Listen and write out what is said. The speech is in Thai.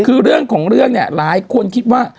คือเรื่องของเรื่องเนี่ยหลายคนคิดว่า